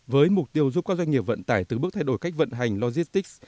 với mục tiêu giúp các doanh nghiệp vận tải từng bước thay đổi cách vận hành logistics